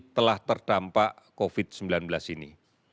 telah terdampak covid sembilan belas ini